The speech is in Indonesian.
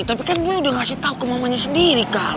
eh tapi kan boy udah ngasih tau ke mamanya sendiri kak